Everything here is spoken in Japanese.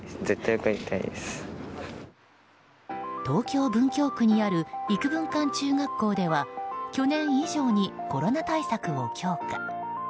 東京・文京区にある郁文館中学校では去年以上にコロナ対策を強化。